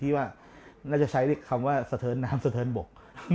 ว่าน่าจะใช้คำว่าสะเทินน้ำสะเทินบก